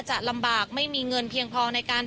จะลำบากไม่มีเงินเพียงพอในการ